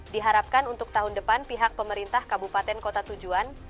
diharapkan untuk tahun depan pihak pemerintah kabupaten kota tujuan